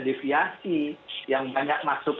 deviasi yang banyak masuk